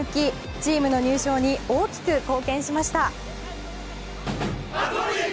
チームの入賞に大きく貢献しました。